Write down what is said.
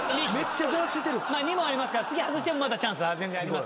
２問ありますから次外してもまだチャンスは全然あります。